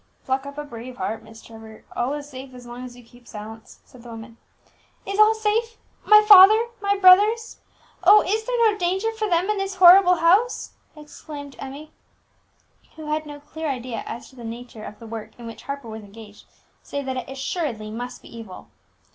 "Pluck up a brave heart, Miss Trevor; all is safe as long as you keep silence," said the woman. "Is all safe, my father, my brothers? Oh, is there no danger for them in this horrible house?" exclaimed Emmie, who had no clear idea as to the nature of the work in which Harper was engaged, save that it assuredly must be evil.